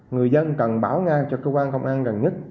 người dân cần bảo ngang cho cơ quan công an gần nhất